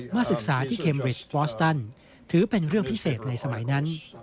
ศึกษาที่เคมเรชฟอสตันถือเป็นเรื่องพิเศษในสมัยนั้น